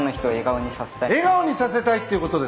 笑顔にさせたいっていうことですね。